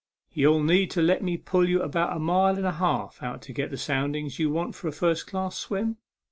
Ye'll need to let me pull you about a mile and a half out to get the soundings you want for a first class swim."